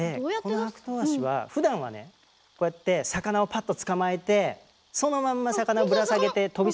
このハクトウワシはふだんはねこうやって魚をパッと捕まえてそのまんま魚ぶら下げてほんとだ魚！